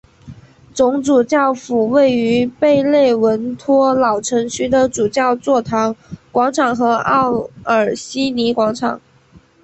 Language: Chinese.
总主教府位于贝内文托老城区的主教座堂广场和奥尔西尼广场。